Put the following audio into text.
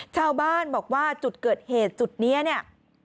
ชาวบ้านบอกว่าจุดเกิดเหตุจุดนี้เนี่ย